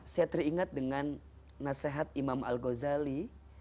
saya teringat dengan nasihat imam al ghazali